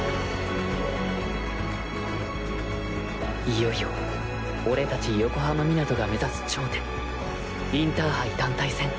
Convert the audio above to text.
いよいよ俺達横浜湊が目指す頂点インターハイ団体戦。